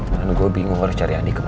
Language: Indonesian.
kan gue bingung harus cari andi kemana